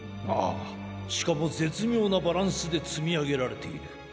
ああしかもぜつみょうなバランスでつみあげられている。